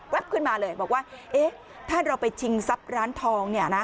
แว๊บขึ้นมาเลยบอกว่าเอ๊ะถ้าเราไปชิงทรัพย์ร้านทอง